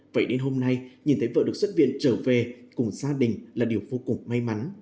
vậy đến hôm nay nhìn thấy vợ được xuất viện trở về cùng gia đình là điều vô cùng may mắn